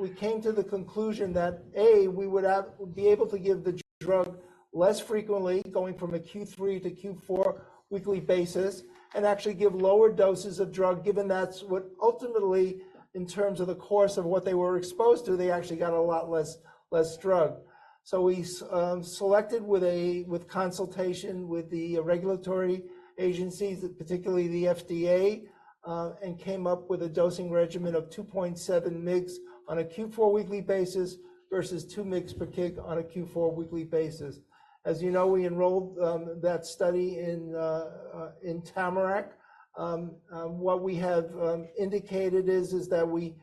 D: we came to the conclusion that A, we would be able to give the drug less frequently, going from a Q3 to Q4 weekly basis, and actually give lower doses of drug, given that's what ultimately, in terms of the course of what they were exposed to, they actually got a lot less drug. So we selected with consultation with the regulatory agencies, particularly the FDA, and came up with a dosing regimen of 2.7 mg on a Q4 weekly basis versus 2 mg/kg on a Q4 weekly basis. As you know, we enrolled that study in Tamarack. What we have indicated is that we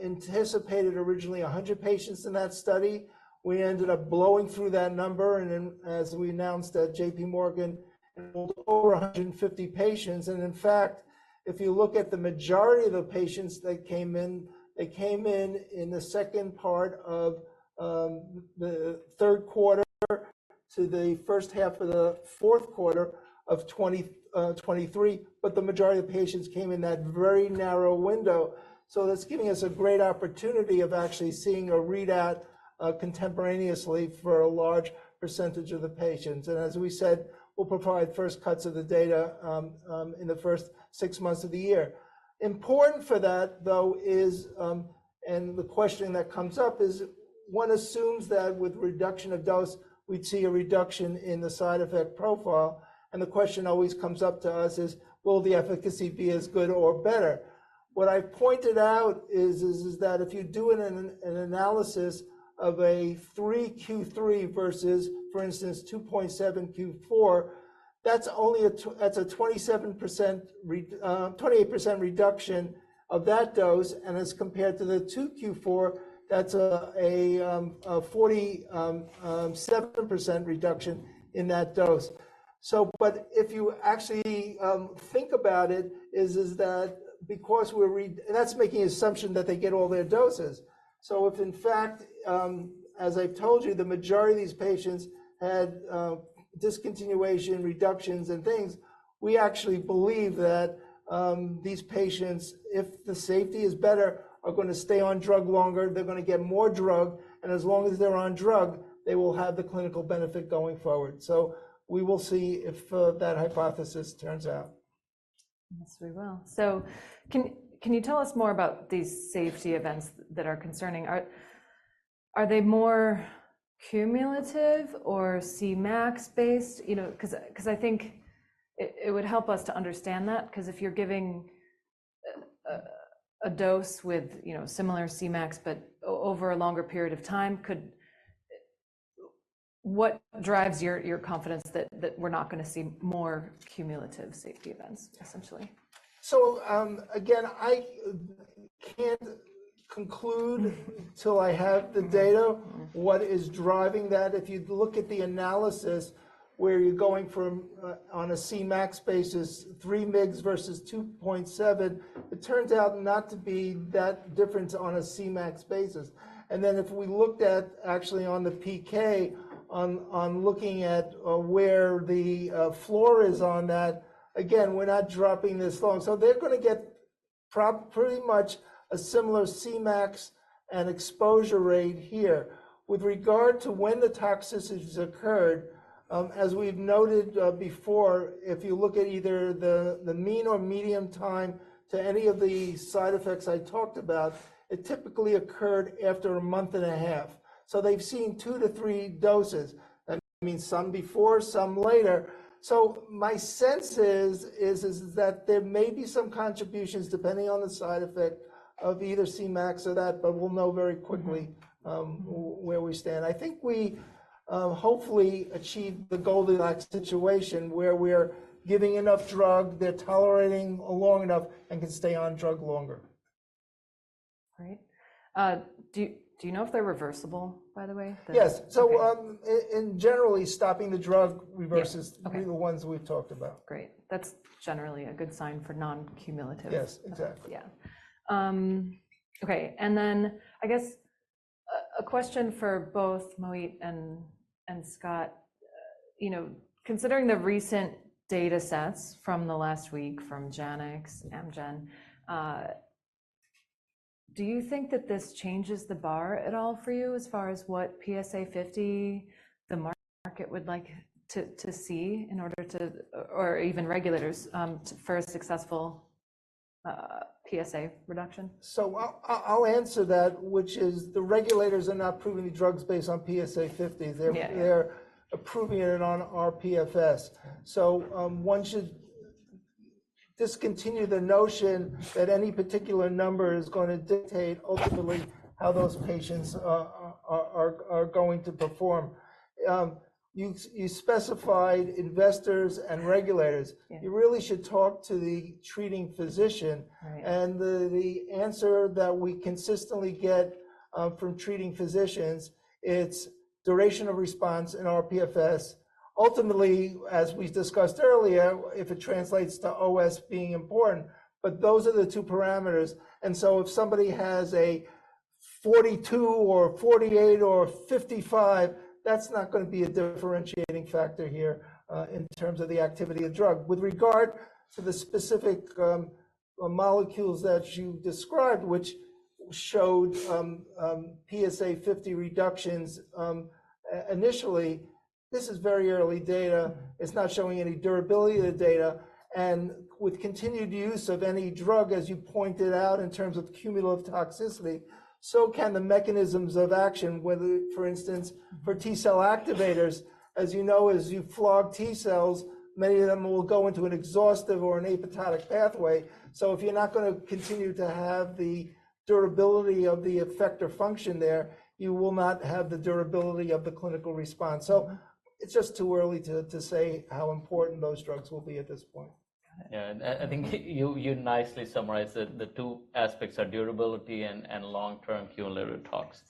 D: anticipated originally 100 patients in that study. We ended up blowing through that number. And then, as we announced at JPMorgan, over 150 patients. And in fact, if you look at the majority of the patients that came in, they came in in the second part of the third quarter to the first half of the fourth quarter of 2023. But the majority of patients came in that very narrow window. So that's giving us a great opportunity of actually seeing a readout contemporaneously for a large percentage of the patients. As we said, we'll provide first cuts of the data in the first six months of the year. Important for that, though, is and the question that comes up is one assumes that with reduction of dose, we'd see a reduction in the side effect profile. And the question always comes up to us is will the efficacy be as good or better? What I pointed out is that if you do an analysis of a three Q3 versus, for instance, 2.7 Q4, that's only a 27% or 28% reduction of that dose. And as compared to the two Q4, that's a 47% reduction in that dose. But if you actually think about it, is that because we're that's making the assumption that they get all their doses. So if in fact, as I've told you, the majority of these patients had discontinuation, reductions, and things, we actually believe that these patients, if the safety is better, are going to stay on drug longer, they're going to get more drug. And as long as they're on drug, they will have the clinical benefit going forward. So we will see if that hypothesis turns out.
A: Yes, we will. So can you tell us more about these safety events that are concerning? Are they more cumulative or Cmax-based? You know, because I think it would help us to understand that, because if you're giving a dose with, you know, similar Cmax, but over a longer period of time, could what drives your confidence that we're not going to see more cumulative safety events, essentially?
D: So, again, I can't conclude until I have the data, what is driving that. If you look at the analysis where you're going from on a Cmax basis, 3 mCi versus 2.7, it turns out not to be that difference on a Cmax basis. And then if we looked at actually on the PK, on looking at where the floor is on that, again, we're not dropping this long. So they're going to get pretty much a similar Cmax and exposure rate here. With regard to when the toxicities occurred, as we've noted before, if you look at either the mean or median time to any of the side effects I talked about, it typically occurred after a month and a half. So they've seen two-three doses. That means some before, some later. So my sense is that there may be some contributions depending on the side effect of either Cmax or that, but we'll know very quickly where we stand. I think we hopefully achieve the Goldilocks situation where we're giving enough drug, they're tolerating long enough, and can stay on drug longer.
A: Great. Do you know if they're reversible, by the way?
D: Yes. In general, stopping the drug reverses the ones we've talked about.
A: Great. That's generally a good sign for non-cumulative.
D: Yes, exactly.
A: Yeah. Okay. And then I guess a question for both Mohit and Scott. You know, considering the recent data sets from the last week from Janux, Amgen, do you think that this changes the bar at all for you as far as what PSA50 the market would like to see in order to or even regulators for a successful PSA reduction?
D: So I'll answer that, which is the regulators are not approving the drugs based on PSA50. They're approving it on rPFS. So one should discontinue the notion that any particular number is going to dictate ultimately how those patients are going to perform. You specified investors and regulators. You really should talk to the treating physician. And the answer that we consistently get from treating physicians, it's duration of response in rPFS. Ultimately, as we discussed earlier, if it translates to OS being important, but those are the two parameters. And so if somebody has a 42 or 48 or 55, that's not going to be a differentiating factor here in terms of the activity of drug. With regard to the specific molecules that you described, which showed PSA50 reductions initially, this is very early data. It's not showing any durability of the data. With continued use of any drug, as you pointed out, in terms of cumulative toxicity, so can the mechanisms of action, whether, for instance, for T-cell activators, as you know, as you flog T-cells, many of them will go into an exhaustion or an apathetic pathway. So if you're not going to continue to have the durability of the effect or function there, you will not have the durability of the clinical response. So it's just too early to say how important those drugs will be at this point.
B: Yeah. And I think you nicely summarized that the two aspects are durability and long-term cumulative tox.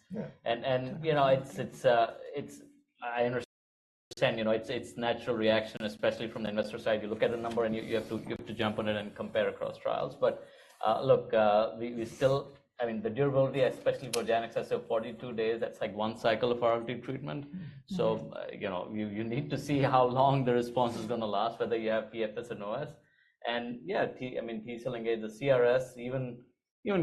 B: And, you know, it's, I understand, you know, it's natural reaction, especially from the investor side. You look at the number and you have to jump on it and compare across trials. But look, we still, I mean, the durability, especially for Janux, is 42 days. That's like one cycle of RLT treatment. So, you know, you need to see how long the response is going to last, whether you have PFS and OS. And yeah, I mean, T-cell engagers, CRS, even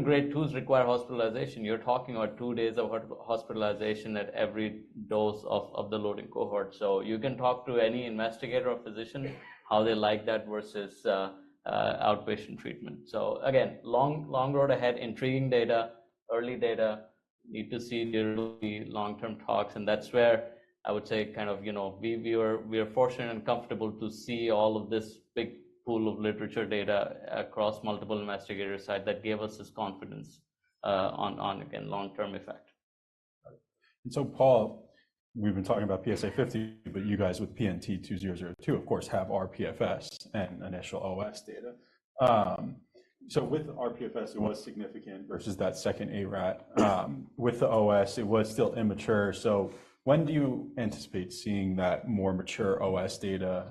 B: grade twos require hospitalization. You're talking about two days of hospitalization at every dose of the loading cohort. So you can talk to any investigator or physician how they like that versus outpatient treatment. So again, long road ahead, intriguing data, early data, need to see long-term tox. That's where I would say kind of, you know, we were fortunate and comfortable to see all of this big pool of literature data across multiple investigator sites that gave us this confidence on, again, long-term effect.
E: And so, Paul, we've been talking about PSA50, but you guys with PNT2002, of course, have rPFS and initial OS data. So with rPFS, it was significant versus that second ARAT. With the OS, it was still immature. So when do you anticipate seeing that more mature OS data?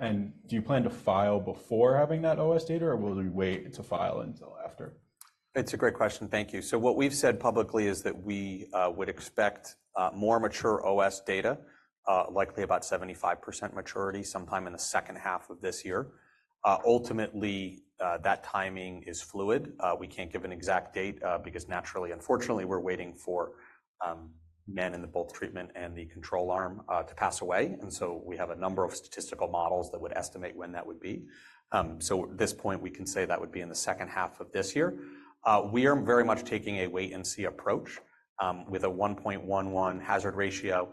E: And do you plan to file before having that OS data, or will we wait to file until after?
C: It's a great question. Thank you. So what we've said publicly is that we would expect more mature OS data, likely about 75% maturity sometime in the second half of this year. Ultimately, that timing is fluid. We can't give an exact date because, naturally, unfortunately, we're waiting for men in both the treatment and the control arm to pass away. And so we have a number of statistical models that would estimate when that would be. So at this point, we can say that would be in the second half of this year. We are very much taking a wait-and-see approach with a 1.11 hazard ratio.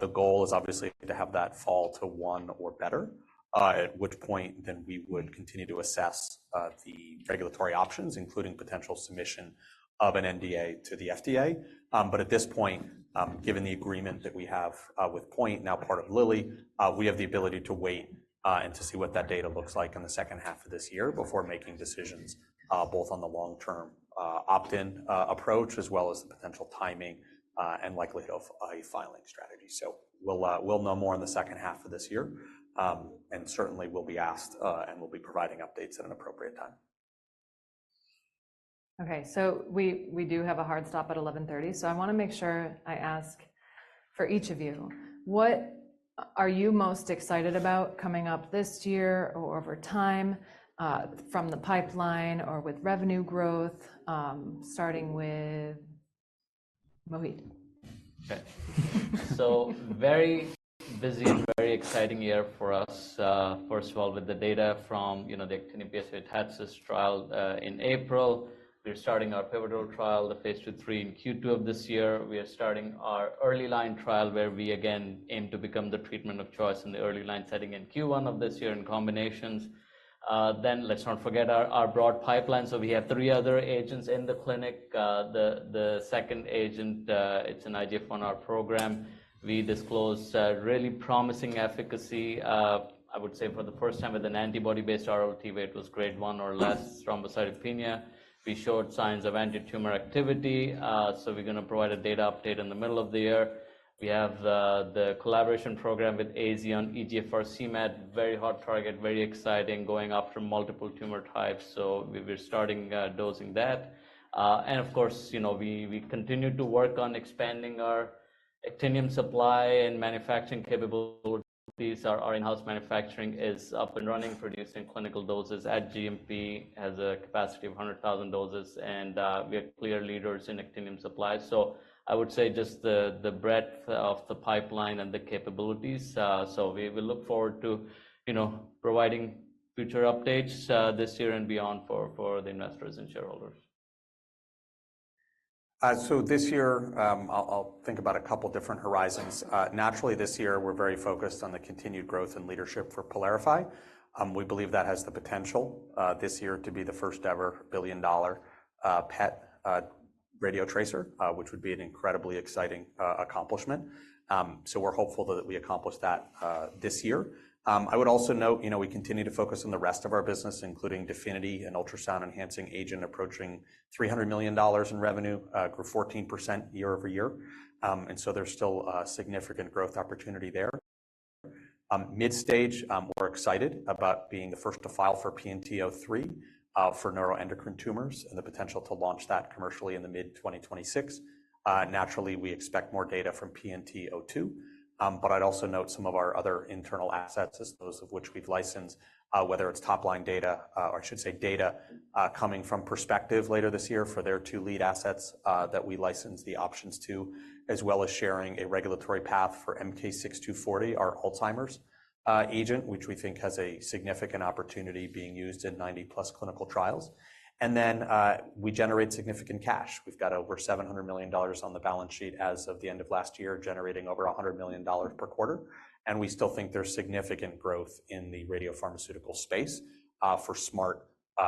C: The goal is obviously to have that fall to one or better, at which point then we would continue to assess the regulatory options, including potential submission of an NDA to the FDA. But at this point, given the agreement that we have with Point, now part of Lilly, we have the ability to wait and to see what that data looks like in the second half of this year before making decisions both on the long-term opt-in approach as well as the potential timing and likelihood of a filing strategy. So we'll know more in the second half of this year. And certainly, we'll be asked and we'll be providing updates at an appropriate time.
A: Okay. So we do have a hard stop at 11:30 A.M. So I want to make sure I ask for each of you, what are you most excited about coming up this year or over time from the pipeline or with revenue growth, starting with Mohit?
B: Okay. So very busy and very exciting year for us, first of all, with the data from, you know, the PSMA-targeted trial in April. We're starting our pivotal trial, the phase II/III in Q2 of this year. We are starting our early line trial where we, again, aim to become the treatment of choice in the early line setting in Q1 of this year in combinations. Then let's not forget our broad pipeline. So we have three other agents in the clinic. The second agent, it's an IGF-1R program. We disclosed really promising efficacy, I would say, for the first time with an antibody-based RLT. It was grade 1 or less thrombocytopenia. We showed signs of anti-tumor activity. So we're going to provide a data update in the middle of the year. We have the collaboration program with AZ on EGFR-cMET, very hot target, very exciting, going after multiple tumor types. So we're starting dosing that. And of course, you know, we continue to work on expanding our actinium supply and manufacturing capabilities. Our in-house manufacturing is up and running, producing clinical doses. At GMP has a capacity of 100,000 doses. And we are clear leaders in actinium supply. So I would say just the breadth of the pipeline and the capabilities. So we look forward to, you know, providing future updates this year and beyond for the investors and shareholders.
C: So this year, I'll think about a couple of different horizons. Naturally, this year, we're very focused on the continued growth and leadership for PYLARIFY. We believe that has the potential this year to be the first-ever billion-dollar PET radiotracer, which would be an incredibly exciting accomplishment. So we're hopeful that we accomplish that this year. I would also note, you know, we continue to focus on the rest of our business, including DEFINITY and ultrasound-enhancing agent approaching $300 million in revenue, grew 14% year-over-year. And so there's still significant growth opportunity there. Midstage, we're excited about being the first to file for PNT2003 for neuroendocrine tumors and the potential to launch that commercially in the mid-2026. Naturally, we expect more data from PNT2002. But I'd also note some of our other internal assets, those of which we've licensed, whether it's top-line data or I should say data coming from Perspective later this year for their two lead assets that we license the options to, as well as sharing a regulatory path for MK-6240, our Alzheimer's agent, which we think has a significant opportunity being used in 90+ clinical trials. And then we generate significant cash. We've got over $700 million on the balance sheet as of the end of last year, generating over $100 million per quarter. And we still think there's significant growth in the radiopharmaceutical space for smart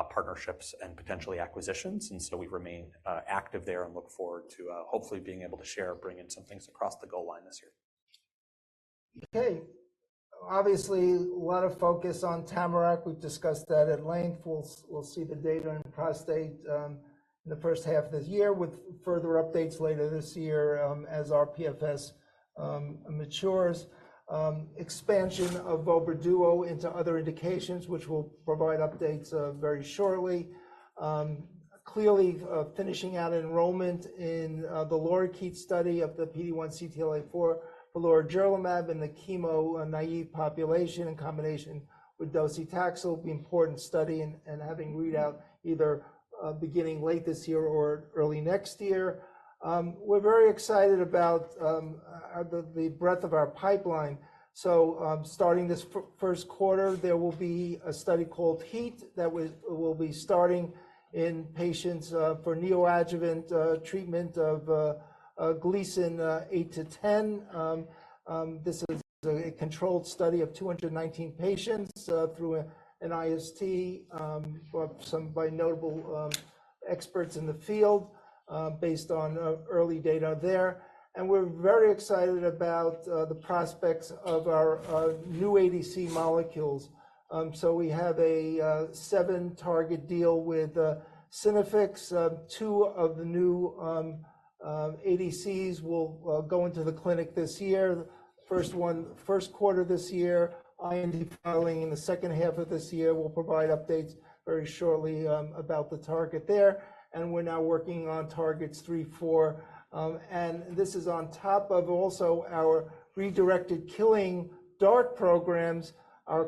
C: partnerships and potentially acquisitions. And so we remain active there and look forward to hopefully being able to share, bring in some things across the goal line this year.
D: Okay. Obviously, a lot of focus on Tamarack. We've discussed that at length. We'll see the data in prostate in the first half of this year with further updates later this year as rPFS matures. Expansion of vobra duo into other indications, which we'll provide updates very shortly. Clearly, finishing out enrollment in the LOR-001 study of the PD-1 CTLA-4, the lorigerlimab, and the chemo-naïve population in combination with docetaxel will be an important study and having readout either beginning late this year or early next year. We're very excited about the breadth of our pipeline. So starting this first quarter, there will be a study called HEAT that will be starting in patients for neoadjuvant treatment of Gleason eight-10. This is a controlled study of 219 patients through an IST by notable experts in the field based on early data there. We're very excited about the prospects of our new ADC molecules. We have a seven-target deal with Synaffix. Two of the new ADCs will go into the clinic this year, first quarter this year. IND filing in the second half of this year. We'll provide updates very shortly about the target there. We're now working on targets three, four. This is on top of also our redirected killing DART programs, our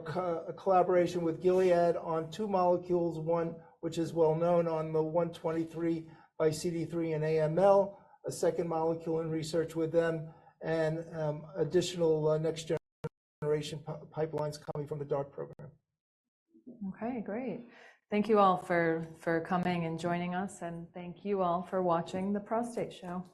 D: collaboration with Gilead on two molecules, one which is well known on the CD123 x CD3 and AML, a second molecule in research with them, and additional next-generation pipelines coming from the DART program.
A: Okay. Great. Thank you all for coming and joining us. Thank you all for watching The Prostate Show.